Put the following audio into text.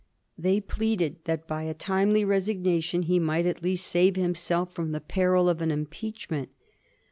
They pleaded that by a timely resignation he might at least save himself from the peril of an impeach ment.